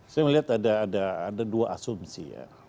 saya melihat ada dua asumsi ya